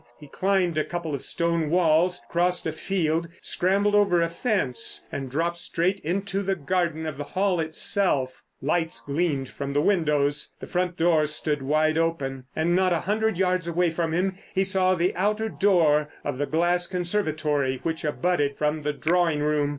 He climbed a couple of stone walls, crossed a field, scrambled over a fence, and dropped straight into the garden of the Hall itself. Lights gleamed from the windows. The front door stood wide open, and not a hundred yards away from him he saw the outer door of the glass conservatory which abutted from the drawing room.